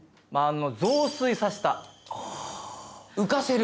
浮かせる？